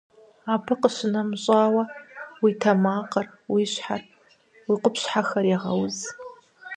Абы къищынэмыщӏауэ, уи тэмакъыр, уи щхьэр, уи къупщхьэхэр егъэуз.